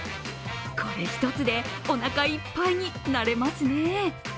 これ一つで、おなかいっぱいになれますね。